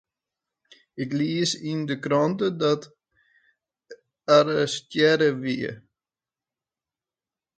Ik lies yn 'e krante dat er arrestearre wie.